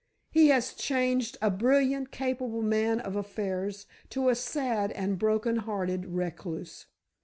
He has changed a brilliant, capable man of affairs to a sad and broken hearted recluse.